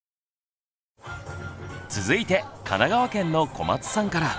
続いて神奈川県の小松さんから。